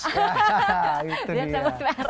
hahaha itu dia